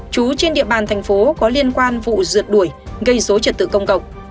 trú trên địa bàn thành phố có liên quan vụ rượt đuổi gây dối trật tự công cộng